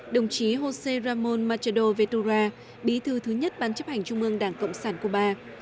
đồng chí josé ramón machado vetura bí thư thứ nhất ban chấp hành trung ương đảng cộng sản cuba